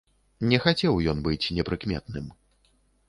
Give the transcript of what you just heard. Не хацеў ён быць непрыкметным.